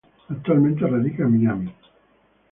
Actualmente radica en Miami.